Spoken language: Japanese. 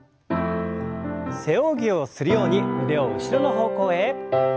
背泳ぎをするように腕を後ろの方向へ。